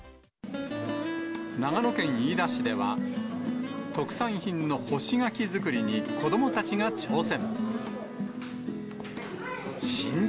長野県飯田市では、特産品の干し柿作りに子どもたちが挑戦。